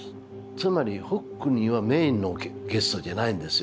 つまりホックニーはメインのゲストじゃないんですよ。